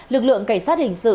lực lượng cảnh sát hình sự